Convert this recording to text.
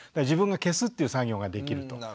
自分が消すっていう作業ができると。